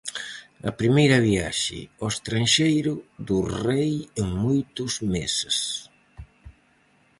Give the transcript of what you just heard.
A primeira viaxe ao estranxeiro do rei en moitos meses.